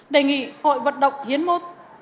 đề nghị hội vận động hiến mốt